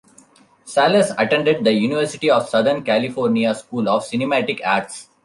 Salles attended the University of Southern California School of Cinematic Arts.